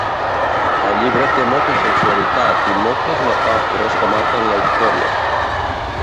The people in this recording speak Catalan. El llibre té molta sensualitat i moltes metàfores que marquen la història.